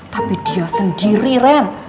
tapi dia sendiri ren